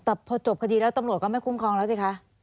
แต่พอจบคดีแล้วตำรวจก็ไม่คุ้มครองแล้วสิคะ